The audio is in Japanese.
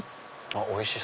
おいしい！